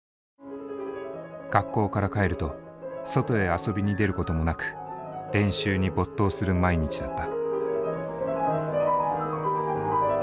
学校から帰ると外へ遊びに出ることもなく練習に没頭する毎日だった。